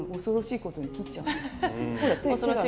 恐ろしいことに切っちゃうんです。